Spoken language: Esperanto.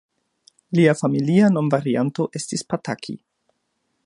Lia familia nomvarianto estis Pataki.